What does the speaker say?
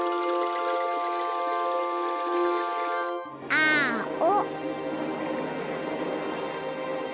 あお。